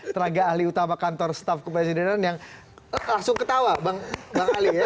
tenaga ahli utama kantor staf kepresidenan yang langsung ketawa bang ali ya